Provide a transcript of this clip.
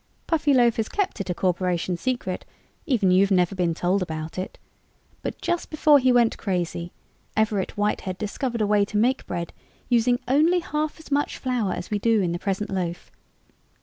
"Puffyloaf has kept it a corporation secret even you've never been told about it but just before he went crazy, Everett Whitehead discovered a way to make bread using only half as much flour as we do in the present loaf.